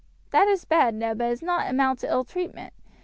"That is bad, Ned, but it does not amount to ill treatment.